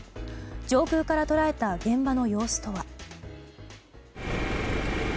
上空から捉えた現場の様子とは。